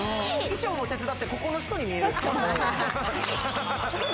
衣装も手伝って、ここの人に見える。